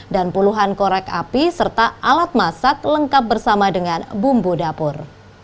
dan puluhan korek api serta alat masak lengkap bersama dengan bumbu dapur